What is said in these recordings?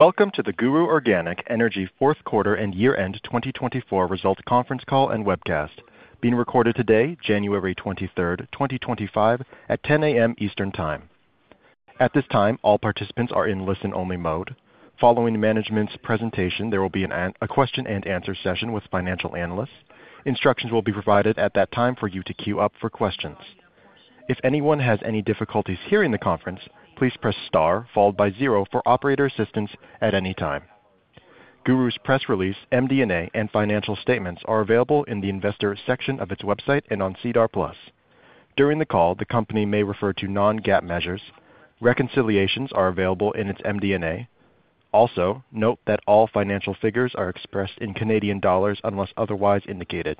Welcome to the GURU Organic Energy fourth quarter and year-end 2024 results conference call and webcast. Being recorded today, January 23rd, 2025, at 10:00 A.M. Eastern Time. At this time, all participants are in listen-only mode. Following management's presentation, there will be a question-and-answer session with financial analysts. Instructions will be provided at that time for you to queue up for questions. If anyone has any difficulties hearing the conference, please press star followed by zero for operator assistance at any time. GURU's press release, MD&A, and financial statements are available in the investor section of its website and on SEDAR+. During the call, the company may refer to non-GAAP measures. Reconciliations are available in its MD&A. Also, note that all financial figures are expressed in Canadian dollars unless otherwise indicated.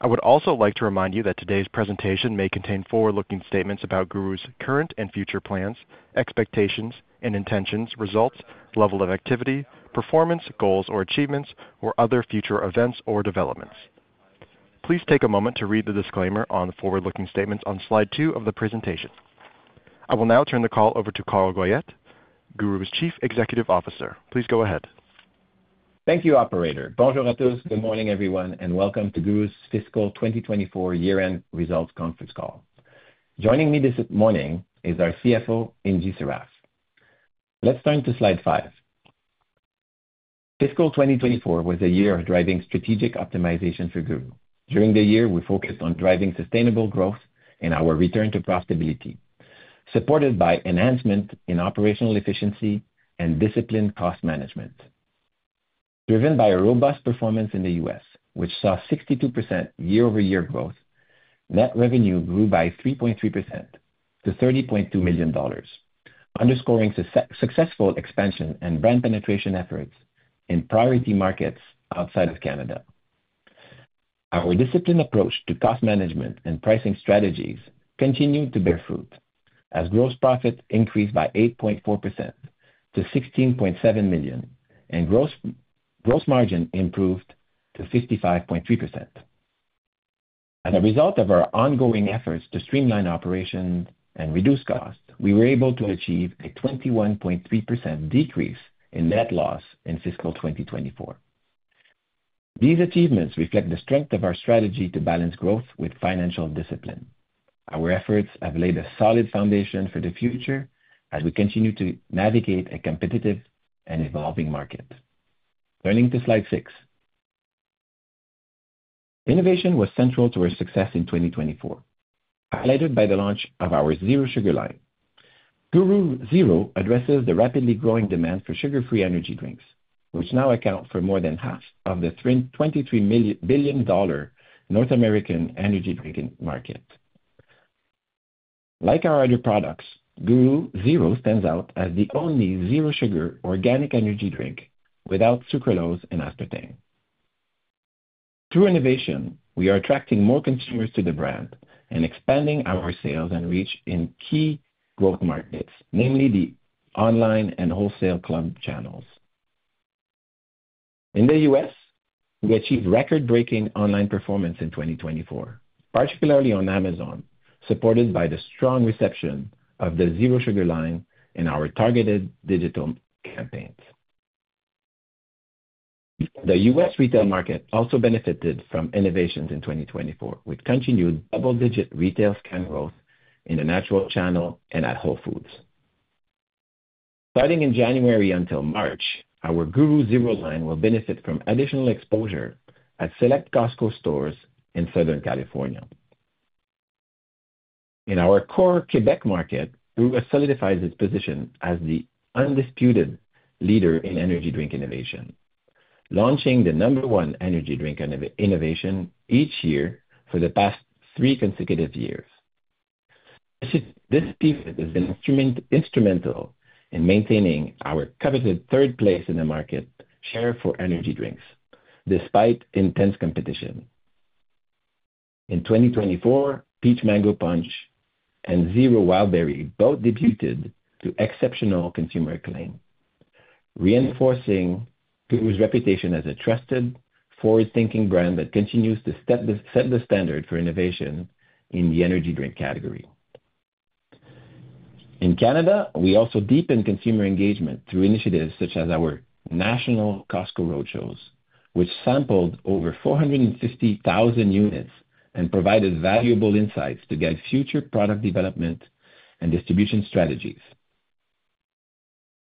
I would also like to remind you that today's presentation may contain forward-looking statements about GURU's current and future plans, expectations, and intentions, results, level of activity, performance, goals, or achievements, or other future events or developments. Please take a moment to read the disclaimer on the forward-looking statements on slide two of the presentation. I will now turn the call over to Carl Goyette, GURU's Chief Executive Officer. Please go ahead. Thank you, Operator. Bonjour à tous, good morning everyone, and welcome to GURU's fiscal 2024 year-end results conference call. Joining me this morning is our CFO, Ingy Sarraf. Let's turn to slide five. Fiscal 2024 was a year of driving strategic optimization for GURU. During the year, we focused on driving sustainable growth and our return to profitability, supported by enhancement in operational efficiency and disciplined cost management. Driven by a robust performance in the US, which saw 62% year-over-year growth, net revenue grew by 3.3% to 30.2 million dollars, underscoring successful expansion and brand penetration efforts in priority markets outside of Canada. Our disciplined approach to cost management and pricing strategies continued to bear fruit as gross profit increased by 8.4% to 16.7 million and gross margin improved to 55.3%. As a result of our ongoing efforts to streamline operations and reduce costs, we were able to achieve a 21.3% decrease in net loss in fiscal 2024. These achievements reflect the strength of our strategy to balance growth with financial discipline. Our efforts have laid a solid foundation for the future as we continue to navigate a competitive and evolving market. Turning to slide six. Innovation was central to our success in 2024, highlighted by the launch of our Zero Sugar line. GURU Zero addresses the rapidly growing demand for sugar-free energy drinks, which now account for more than half of the $23 billion North American energy drink market. Like our other products, GURU Zero stands out as the only zero-sugar organic energy drink without sucralose and aspartame. Through innovation, we are attracting more consumers to the brand and expanding our sales and reach in key growth markets, namely the online and wholesale club channels. In the U.S., we achieved record-breaking online performance in 2024, particularly on Amazon, supported by the strong reception of the Zero Sugar line and our targeted digital campaigns. The U.S. retail market also benefited from innovations in 2024, with continued double-digit retail scan growth in the natural channel and at Whole Foods. Starting in January until March, our GURU Zero line will benefit from additional exposure at select Costco stores in Southern California. In our core Quebec market, GURU has solidified its position as the undisputed leader in energy drink innovation, launching the number one energy drink innovation each year for the past three consecutive years. This pivot has been instrumental in maintaining our coveted third place in the market share for energy drinks, despite intense competition. In 2024, Peach Mango Punch and Zero Wild Berry both debuted to exceptional consumer acclaim, reinforcing GURU's reputation as a trusted, forward-thinking brand that continues to set the standard for innovation in the energy drink category. In Canada, we also deepened consumer engagement through initiatives such as our national Costco roadshows, which sampled over 450,000 units and provided valuable insights to guide future product development and distribution strategies.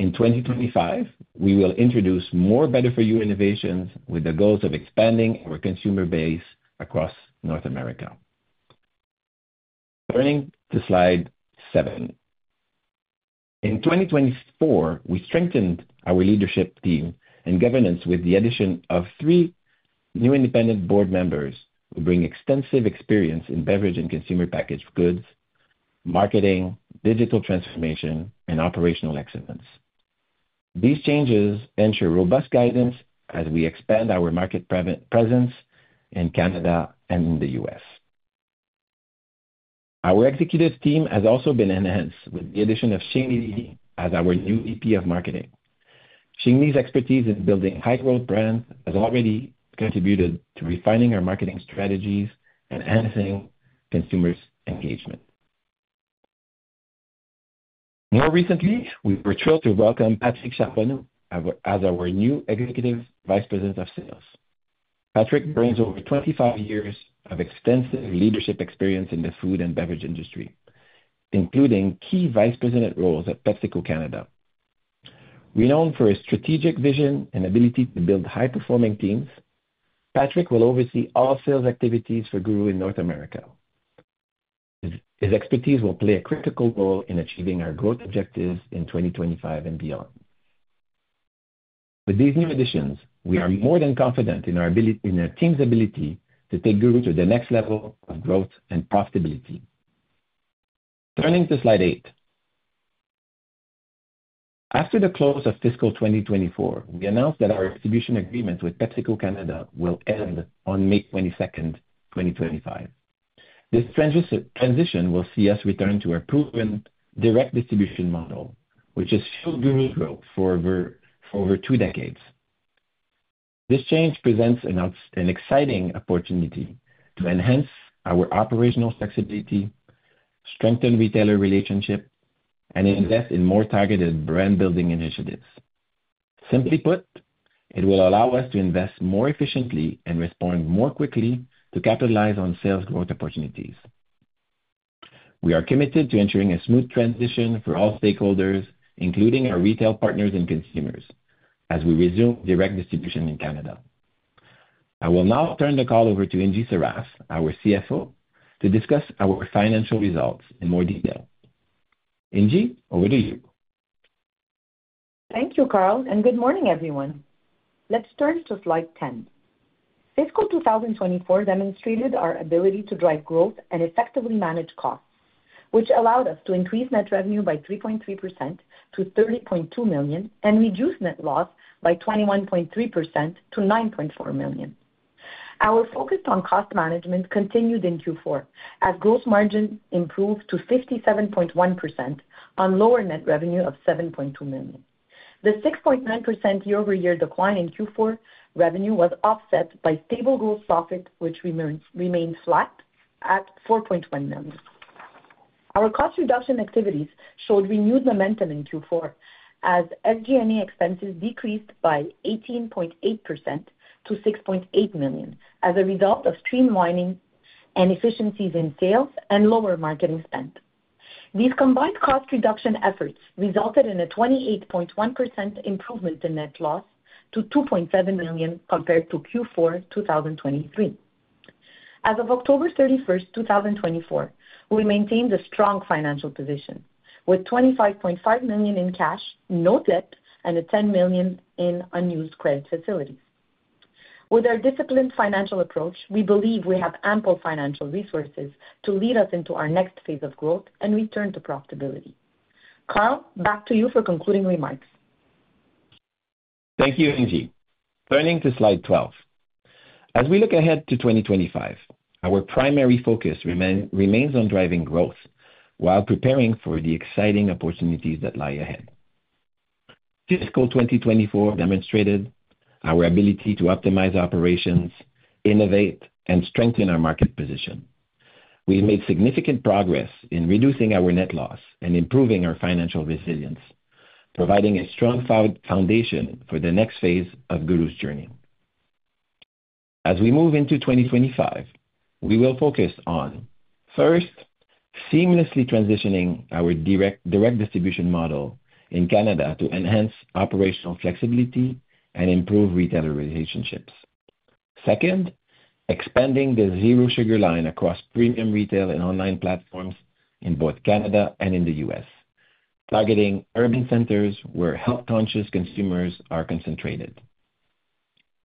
In 2025, we will introduce more better-for-you innovations with the goals of expanding our consumer base across North America. Turning to slide seven. In 2024, we strengthened our leadership team and governance with the addition of three new independent board members who bring extensive experience in beverage and consumer packaged goods, marketing, digital transformation, and operational excellence. These changes ensure robust guidance as we expand our market presence in Canada and in the U.S. Our executive team has also been enhanced with the addition of Xing Li as our new VP of Marketing. Xing Li's expertise in building high-growth brands has already contributed to refining our marketing strategies and enhancing consumer engagement. More recently, we were thrilled to welcome Patrick Charbonneau as our new Executive Vice President of Sales. Patrick brings over 25 years of extensive leadership experience in the food and beverage industry, including key vice president roles at PepsiCo Canada. Renowned for his strategic vision and ability to build high-performing teams, Patrick will oversee all sales activities for GURU in North America. His expertise will play a critical role in achieving our growth objectives in 2025 and beyond. With these new additions, we are more than confident in our team's ability to take GURU to the next level of growth and profitability. Turning to slide eight. After the close of fiscal 2024, we announced that our distribution agreement with PepsiCo Canada will end on May 22nd, 2025. This transition will see us return to our proven direct distribution model, which has fueled GURU's growth for over two decades. This change presents an exciting opportunity to enhance our operational flexibility, strengthen retailer relationships, and invest in more targeted brand-building initiatives. Simply put, it will allow us to invest more efficiently and respond more quickly to capitalize on sales growth opportunities. We are committed to ensuring a smooth transition for all stakeholders, including our retail partners and consumers, as we resume direct distribution in Canada. I will now turn the call over to Ingy Sarraf, our CFO, to discuss our financial results in more detail. Ingy, over to you. Thank you, Carl, and good morning, everyone. Let's turn to slide 10. Fiscal 2024 demonstrated our ability to drive growth and effectively manage costs, which allowed us to increase net revenue by 3.3% to 30.2 million and reduce net loss by 21.3% to 9.4 million. Our focus on cost management continued in Q4, as gross margin improved to 57.1% on lower net revenue of 7.2 million. The 6.9% year-over-year decline in Q4 revenue was offset by stable gross profit, which remained flat at 4.1 million. Our cost reduction activities showed renewed momentum in Q4, as SG&A expenses decreased by 18.8% to 6.8 million as a result of streamlining and efficiencies in sales and lower marketing spend. These combined cost reduction efforts resulted in a 28.1% improvement in net loss to 2.7 million compared to Q4 2023. As of October 31st, 2024, we maintained a strong financial position, with 25.5 million in cash, no debt, and 10 million in unused credit facilities. With our disciplined financial approach, we believe we have ample financial resources to lead us into our next phase of growth and return to profitability. Carl, back to you for concluding remarks. Thank you, Ingy. Turning to slide 12. As we look ahead to 2025, our primary focus remains on driving growth while preparing for the exciting opportunities that lie ahead. Fiscal 2024 demonstrated our ability to optimize operations, innovate, and strengthen our market position. We've made significant progress in reducing our net loss and improving our financial resilience, providing a strong foundation for the next phase of GURU's journey. As we move into 2025, we will focus on, first, seamlessly transitioning our direct distribution model in Canada to enhance operational flexibility and improve retailer relationships. Second, expanding the Zero Sugar line across premium retail and online platforms in both Canada and in the US, targeting urban centers where health-conscious consumers are concentrated.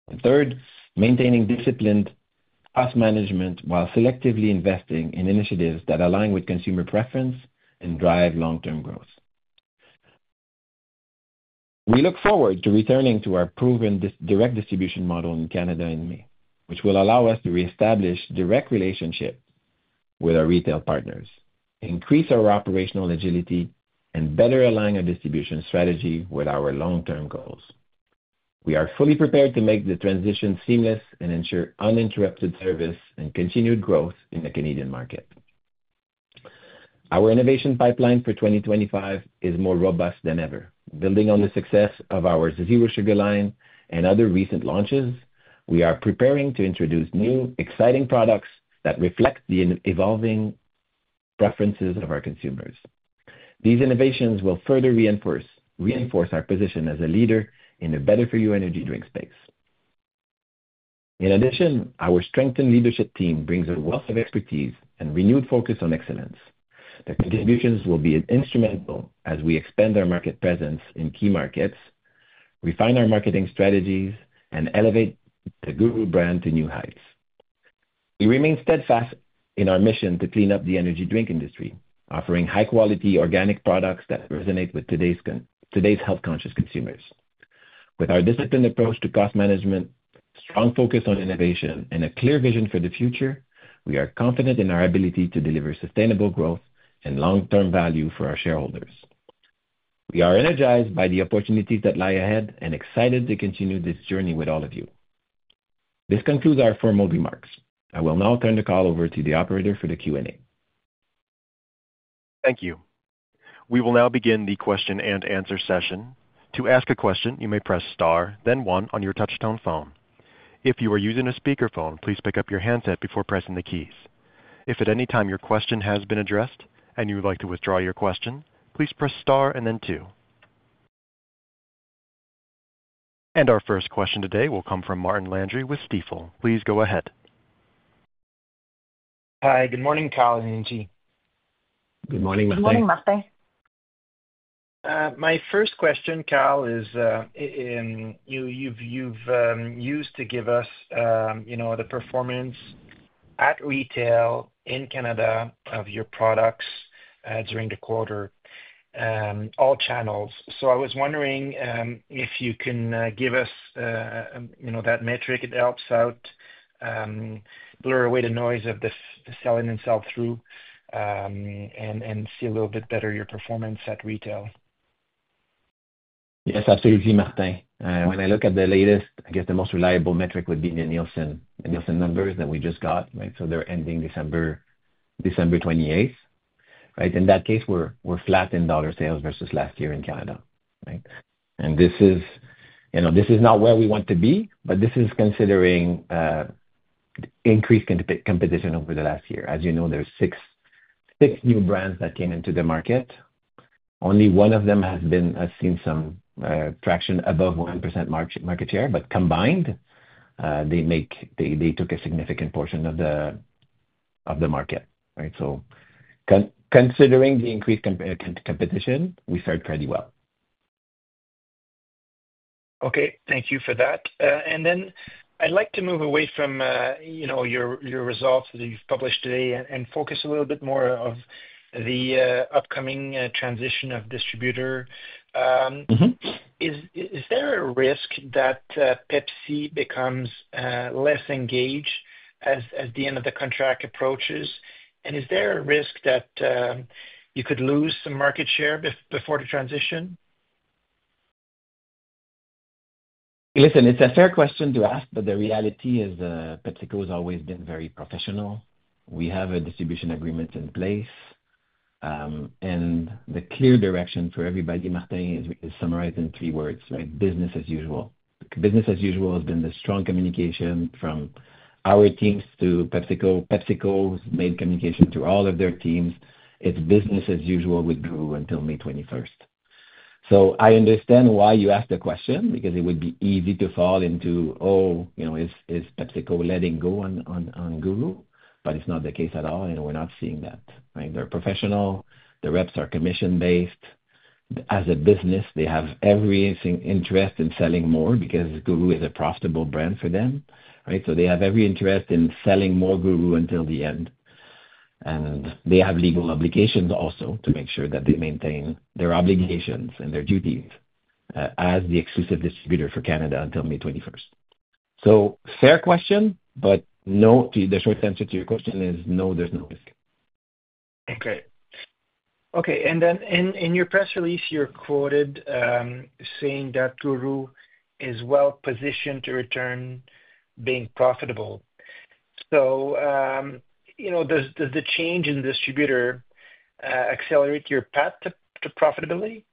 And third, maintaining disciplined cost management while selectively investing in initiatives that align with consumer preference and drive long-term growth. We look forward to returning to our proven direct distribution model in Canada in May, which will allow us to reestablish direct relationships with our retail partners, increase our operational agility, and better align our distribution strategy with our long-term goals. We are fully prepared to make the transition seamless and ensure uninterrupted service and continued growth in the Canadian market. Our innovation pipeline for 2025 is more robust than ever. Building on the success of our Zero Sugar line and other recent launches, we are preparing to introduce new, exciting products that reflect the evolving preferences of our consumers. These innovations will further reinforce our position as a leader in the better-for-you energy drink space. In addition, our strengthened leadership team brings a wealth of expertise and renewed focus on excellence. Their contributions will be instrumental as we expand our market presence in key markets, refine our marketing strategies, and elevate the GURU brand to new heights. We remain steadfast in our mission to clean up the energy drink industry, offering high-quality organic products that resonate with today's health-conscious consumers. With our disciplined approach to cost management, strong focus on innovation, and a clear vision for the future, we are confident in our ability to deliver sustainable growth and long-term value for our shareholders. We are energized by the opportunities that lie ahead and excited to continue this journey with all of you. This concludes our formal remarks. I will now turn the call over to the operator for the Q&A. Thank you. We will now begin the question and answer session. To ask a question, you may press Star, then one on your touch-tone phone. If you are using a speakerphone, please pick up your handset before pressing the keys. If at any time your question has been addressed and you would like to withdraw your question, please press Star and then two, and our first question today will come from Martin Landry with Stifel. Please go ahead. Hi. Good morning, Carl and Ingy. Good morning, Martin. My first question, Carl, is you've used to give us the performance at retail in Canada of your products during the quarter, all channels. So I was wondering if you can give us that metric. It helps out, blur away the noise of the selling and sell-through, and see a little bit better your performance at retail. Yes, absolutely, Martin. When I look at the latest, I guess the most reliable metric would be the Nielsen numbers that we just got, right? So they're ending December 28th. In that case, we're flat in dollar sales versus last year in Canada, and this is not where we want to be, but this is considering increased competition over the last year. As you know, there are six new brands that came into the market. Only one of them has seen some traction above 1% market share, but combined, they took a significant portion of the market. Considering the increased competition, we started pretty well. Okay. Thank you for that. And then I'd like to move away from your results that you've published today and focus a little bit more on the upcoming transition of distributor. Is there a risk that Pepsi becomes less engaged as the end of the contract approaches? And is there a risk that you could lose some market share before the transition? Listen, it's a fair question to ask, but the reality is PepsiCo has always been very professional. We have distribution agreements in place, and the clear direction for everybody, Martin, is summarized in three words, right? Business as usual. Business as usual has been the strong communication from our teams to PepsiCo. PepsiCo has made communication to all of their teams. It's business as usual with GURU until May 21st, so I understand why you asked the question, because it would be easy to fall into, "Oh, is PepsiCo letting go on GURU?" But it's not the case at all. We're not seeing that. They're professional. The reps are commission-based. As a business, they have every interest in selling more because GURU is a profitable brand for them, so they have every interest in selling more GURU until the end. They have legal obligations also to make sure that they maintain their obligations and their duties as the exclusive distributor for Canada until May 21st. Fair question, but the short answer to your question is no, there's no risk. And then in your press release, you're quoted saying that GURU is well-positioned to return being profitable. So does the change in distributor accelerate your path to profitability?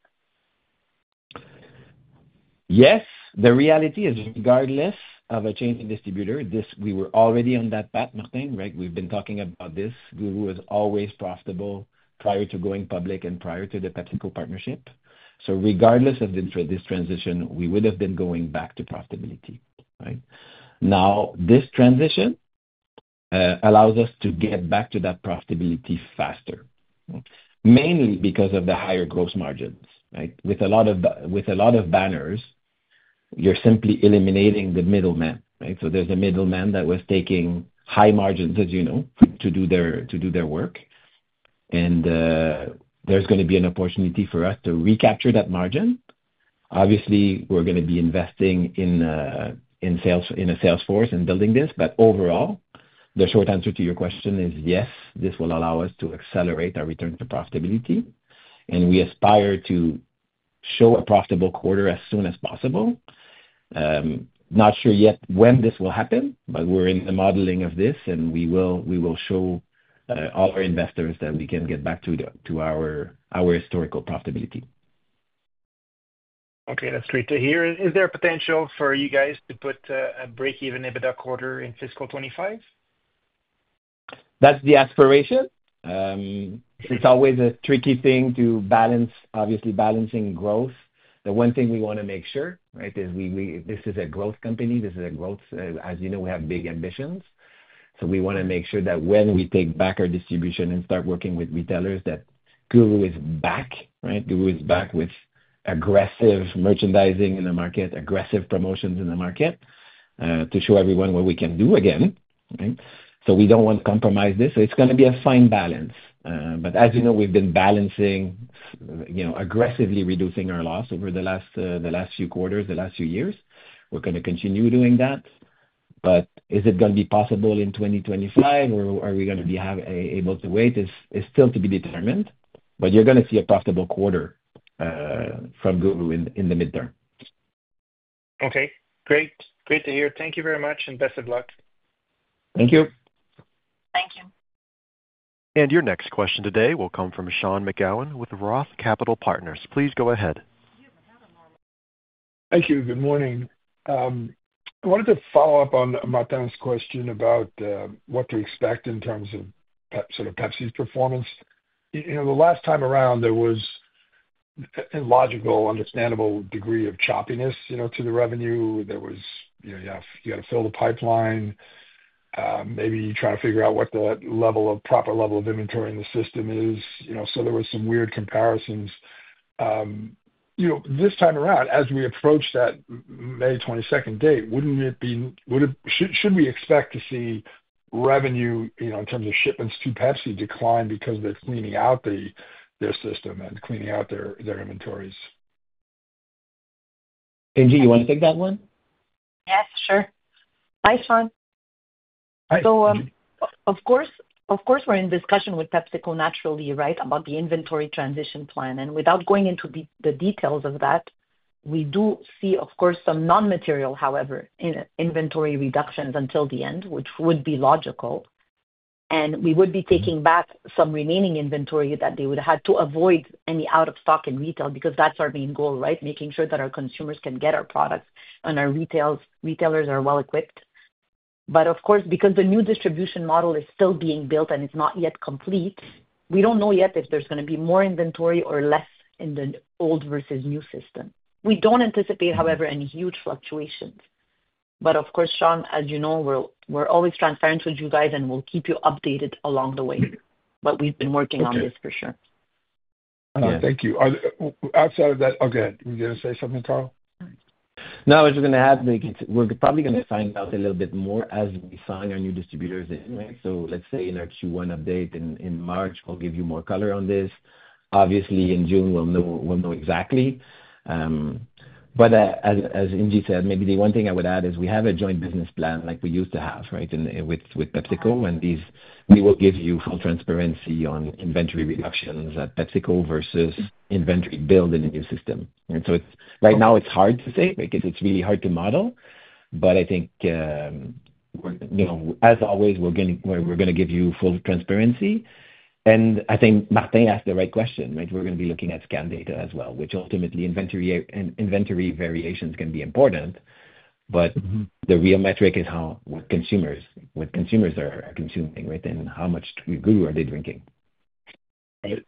Yes. The reality is regardless of a change in distributor, we were already on that path, Martin, right? We've been talking about this. GURU was always profitable prior to going public and prior to the PepsiCo partnership. So regardless of this transition, we would have been going back to profitability. Now, this transition allows us to get back to that profitability faster, mainly because of the higher gross margins. With a lot of banners, you're simply eliminating the middleman. So there's a middleman that was taking high margins, as you know, to do their work. And there's going to be an opportunity for us to recapture that margin. Obviously, we're going to be investing in a sales force and building this. But overall, the short answer to your question is yes, this will allow us to accelerate our return to profitability. We aspire to show a profitable quarter as soon as possible. Not sure yet when this will happen, but we're in the modeling of this, and we will show all our investors that we can get back to our historical profitability. Okay. That's great to hear. Is there a potential for you guys to put a break-even EBITDA quarter in fiscal 2025? That's the aspiration. It's always a tricky thing to balance, obviously, balancing growth. The one thing we want to make sure is this is a growth company. This is a growth. As you know, we have big ambitions. So we want to make sure that when we take back our distribution and start working with retailers, that GURU is back, right? GURU is back with aggressive merchandising in the market, aggressive promotions in the market to show everyone what we can do again. So we don't want to compromise this. So it's going to be a fine balance. But as you know, we've been balancing, aggressively reducing our loss over the last few quarters, the last few years. We're going to continue doing that. But is it going to be possible in 2025, or are we going to be able to wait? It's still to be determined. But you're going to see a profitable quarter from GURU in the midterm. Okay. Great. Great to hear. Thank you very much, and best of luck. Thank you. Thank you. Your next question today will come from Sean McGowan with Roth Capital Partners. Please go ahead. Thank you. Good morning. I wanted to follow up on Martin's question about what to expect in terms of sort of Pepsi's performance. The last time around, there was a logical, understandable degree of choppiness to the revenue. There was, you got to fill the pipeline. Maybe you're trying to figure out what the proper level of inventory in the system is. So there were some weird comparisons. This time around, as we approach that May 22nd date, should we expect to see revenue in terms of shipments to Pepsi decline because they're cleaning out their system and cleaning out their inventories? Ingy, you want to take that one? Yes, sure. Hi, Sean. Hi. Of course, we're in discussion with PepsiCo, naturally, right, about the inventory transition plan. And without going into the details of that, we do see, of course, some non-material, however, inventory reductions until the end, which would be logical. And we would be taking back some remaining inventory that they would have had to avoid any out-of-stock in retail because that's our main goal, right? Making sure that our consumers can get our products and our retailers are well-equipped. But of course, because the new distribution model is still being built and it's not yet complete, we don't know yet if there's going to be more inventory or less in the old versus new system. We don't anticipate, however, any huge fluctuations. But of course, Sean, as you know, we're always transparent with you guys, and we'll keep you updated along the way. But we've been working on this for sure. Thank you. Outside of that, okay, were you going to say something, Carl? No, I was just going to add we're probably going to find out a little bit more as we sign our new distributors in, right? So let's say in our Q1 update in March, we'll give you more color on this. Obviously, in June, we'll know exactly. But as Ingy said, maybe the one thing I would add is we have a joint business plan like we used to have, right, with PepsiCo. And we will give you full transparency on inventory reductions at PepsiCo versus inventory build in the new system. And so right now, it's hard to say because it's really hard to model. But I think, as always, we're going to give you full transparency. And I think Martin asked the right question, right? We're going to be looking at scan data as well, which ultimately, inventory variations can be important. But the real metric is what consumers are consuming, right? And how much GURU are they drinking? Right.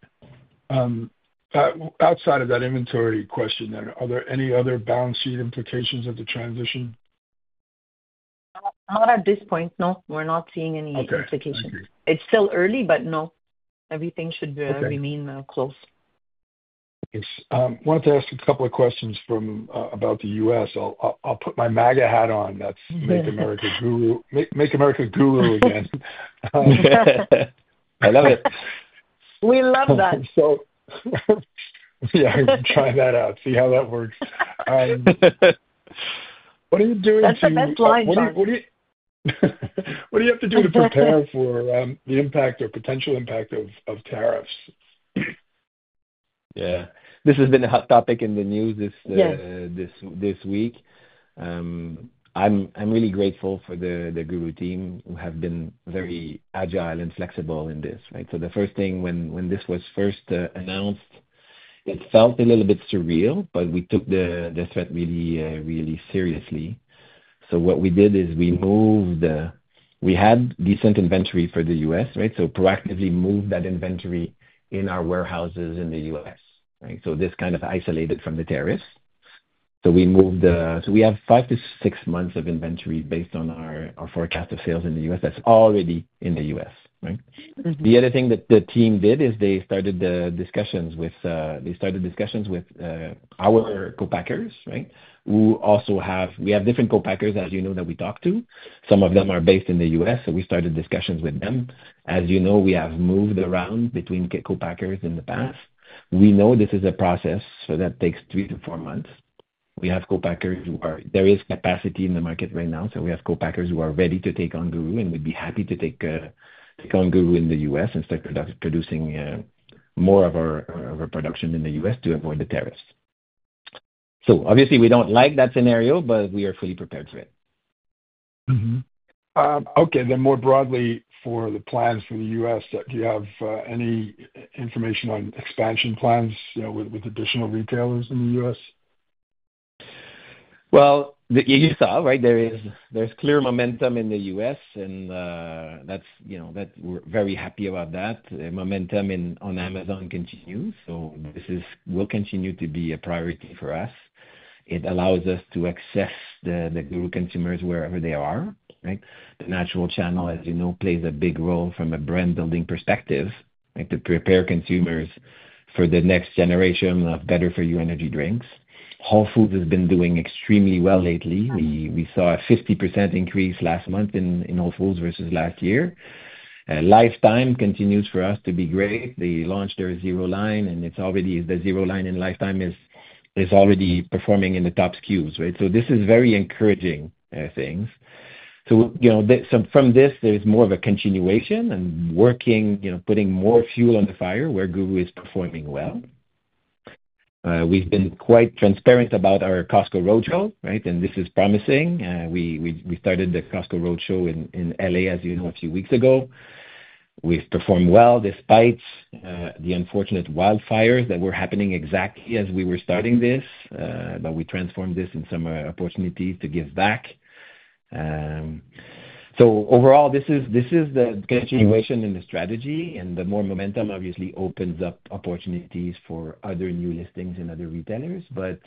Outside of that inventory question, are there any other balance sheet implications of the transition? Not at this point, no. We're not seeing any implications. It's still early, but no. Everything should remain close. I wanted to ask a couple of questions about the U.S. I'll put my MAGA hat on. That's Make America GURU again. I love it. We love that. Yeah, we're trying that out, see how that works. What are you doing to? That's the best line, Sean. What do you have to do to prepare for the impact or potential impact of tariffs? Yeah. This has been a hot topic in the news this week. I'm really grateful for the GURU team. We have been very agile and flexible in this, right? So the first thing, when this was first announced, it felt a little bit surreal, but we took the threat really, really seriously. So what we did is we moved. We had decent inventory for the US, right? So proactively moved that inventory in our warehouses in the US, right? So this kind of isolated from the tariffs. So we have five to six months of inventory based on our forecast of sales in the US that's already in the US, right? The other thing that the team did is they started discussions with our co-packers, right? We have different co-packers, as you know, that we talk to. Some of them are based in the U.S., so we started discussions with them. As you know, we have moved around between co-packers in the past. We know this is a process that takes three to four months. We have co-packers who are there. There is capacity in the market right now. So we have co-packers who are ready to take on GURU and would be happy to take on GURU in the U.S. and start producing more of our production in the U.S. to avoid the tariffs. So obviously, we don't like that scenario, but we are fully prepared for it. Okay, then more broadly, for the plans for the US, do you have any information on expansion plans with additional retailers in the US? You saw, right? There's clear momentum in the US, and that's we're very happy about that. Momentum on Amazon continues. This will continue to be a priority for us. It allows us to access the GURU consumers wherever they are, right? The natural channel, as you know, plays a big role from a brand-building perspective, right, to prepare consumers for the next generation of better-for-you energy drinks. Whole Foods has been doing extremely well lately. We saw a 50% increase last month in Whole Foods versus last year. Life Time continues for us to be great. They launched their zero line, and it's already the zero line in Life Time is already performing in the top SKUs, right? This is very encouraging things. From this, there's more of a continuation and working, putting more fuel on the fire where GURU is performing well. We've been quite transparent about our Costco roadshow, right? And this is promising. We started the Costco roadshow in LA, as you know, a few weeks ago. We've performed well despite the unfortunate wildfires that were happening exactly as we were starting this. But we transformed this in some opportunities to give back. So overall, this is the continuation in the strategy. And the more momentum, obviously, opens up opportunities for other new listings and other retailers. But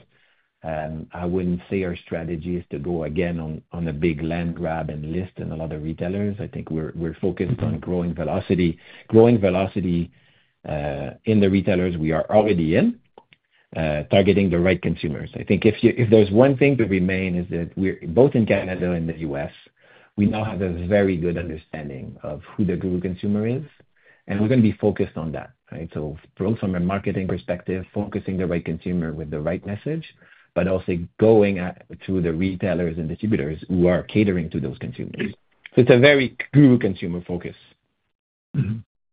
I wouldn't say our strategy is to go again on a big land grab and list and a lot of retailers. I think we're focused on growing velocity. Growing velocity in the retailers we are already in, targeting the right consumers. I think if there's one thing to remain is that both in Canada and the US, we now have a very good understanding of who the GURU consumer is. We're going to be focused on that, right? From a marketing perspective, focusing the right consumer with the right message, but also going to the retailers and distributors who are catering to those consumers. It's a very GURU consumer focus.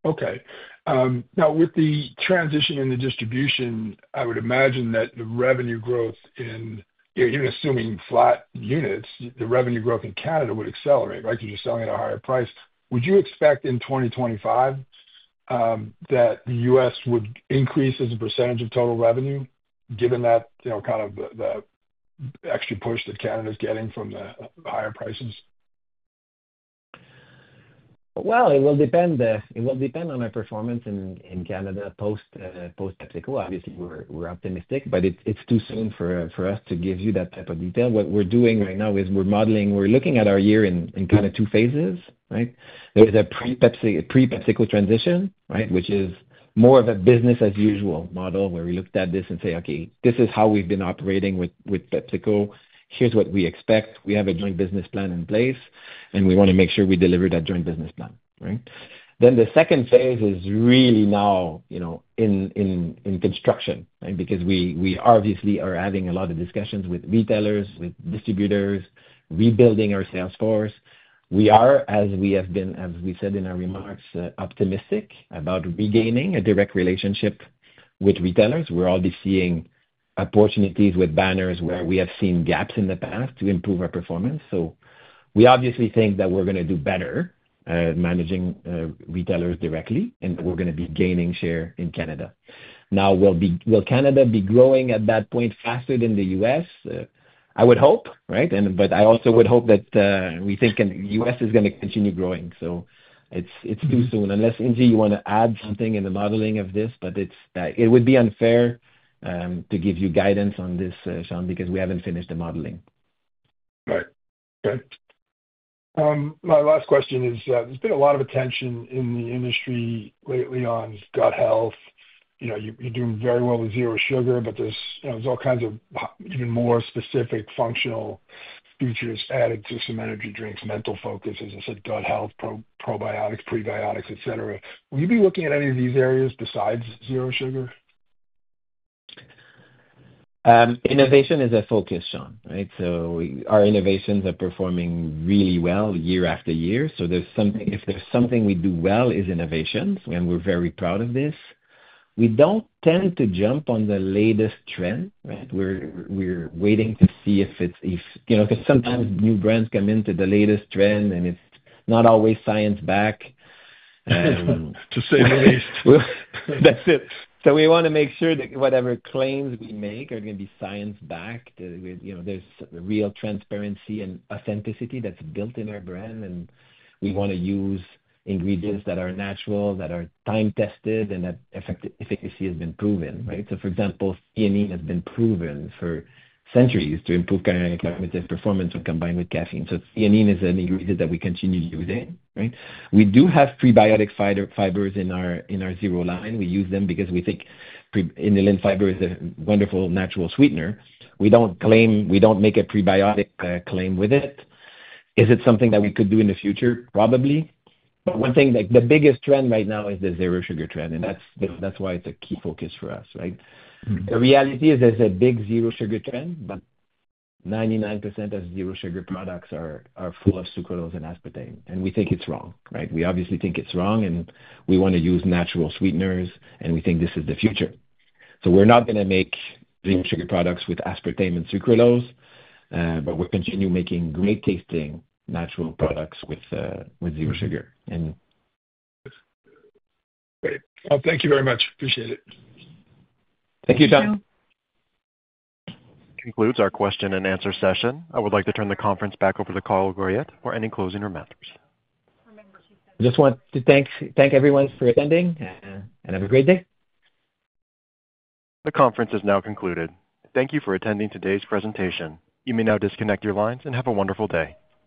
Okay. Now, with the transition in the distribution, I would imagine that the revenue growth in, even assuming flat units, the revenue growth in Canada would accelerate, right? Because you're selling at a higher price. Would you expect in 2025 that the U.S. would increase as a percentage of total revenue, given that kind of the extra push that Canada is getting from the higher prices? It will depend. It will depend on our performance in Canada post-PepsiCo. Obviously, we're optimistic, but it's too soon for us to give you that type of detail. What we're doing right now is we're modeling. We're looking at our year in kind of two phases, right? There is a pre-PepsiCo transition, right, which is more of a business-as-usual model where we looked at this and say, "Okay, this is how we've been operating with PepsiCo. Here's what we expect. We have a joint business plan in place, and we want to make sure we deliver that joint business plan," right? Then the second phase is really now in construction, right? Because we obviously are having a lot of discussions with retailers, with distributors, rebuilding our sales force. We are, as we have been, as we said in our remarks, optimistic about regaining a direct relationship with retailers. We're already seeing opportunities with banners where we have seen gaps in the past to improve our performance. So we obviously think that we're going to do better managing retailers directly, and we're going to be gaining share in Canada. Now, will Canada be growing at that point faster than the U.S.? I would hope, right? But I also would hope that we think the U.S. is going to continue growing. So it's too soon. Unless, Ingy, you want to add something in the modeling of this, but it would be unfair to give you guidance on this, Sean, because we haven't finished the modeling. Right. Okay. My last question is, there's been a lot of attention in the industry lately on gut health. You're doing very well with zero sugar, but there's all kinds of even more specific functional features added to some energy drinks, mental focus, as I said, gut health, probiotics, prebiotics, etc. Will you be looking at any of these areas besides zero sugar? Innovation is a focus, Sean, right? So our innovations are performing really well year after year. So if there's something we do well is innovations, and we're very proud of this. We don't tend to jump on the latest trend, right? We're waiting to see if it's because sometimes new brands come into the latest trend, and it's not always science-backed. To say the least. That's it. So we want to make sure that whatever claims we make are going to be science-backed. There's real transparency and authenticity that's built in our brand, and we want to use ingredients that are natural, that are time-tested, and that efficacy has been proven, right? So for example, theanine has been proven for centuries to improve cognitive performance when combined with caffeine. So theanine is an ingredient that we continue using, right? We do have prebiotic fibers in our zero line. We use them because we think inulin fiber is a wonderful natural sweetener. We don't make a prebiotic claim with it. Is it something that we could do in the future? Probably. But one thing, the biggest trend right now is the zero sugar trend, and that's why it's a key focus for us, right? The reality is there's a big zero sugar trend, but 99% of zero sugar products are full of sucralose and aspartame, and we think it's wrong, right? We obviously think it's wrong, and we want to use natural sweeteners, and we think this is the future. So we're not going to make zero sugar products with aspartame and sucralose, but we'll continue making great-tasting natural products with zero sugar. Great. Well, thank you very much. Appreciate it. Thank you, Sean. concludes our question-and-answer session. I would like to turn the conference back over to Carl Goyette for any closing remarks. I just want to thank everyone for attending, and have a great day. The conference is now concluded. Thank you for attending today's presentation. You may now disconnect your lines and have a wonderful day.